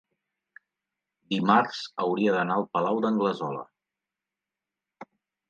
dimarts hauria d'anar al Palau d'Anglesola.